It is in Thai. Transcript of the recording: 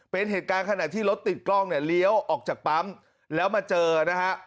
เป็นเหตุการณ์ขณะที่รถติดกล้องเนี่ยเลี้ยวออกจากปั๊มแล้วมาเจอนะฮะ